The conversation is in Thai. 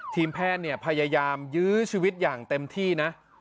ทีมแพทย์เนี่ยพยายามยื้อชีวิตอย่างเต็มที่นะ